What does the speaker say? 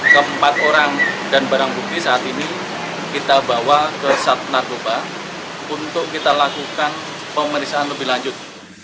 keempat orang dan barang bukti saat ini kita bawa ke sat narkoba untuk kita lakukan pemeriksaan lebih lanjut